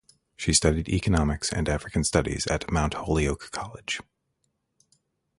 She studied Economics and African Studies at Mount Holyoke College.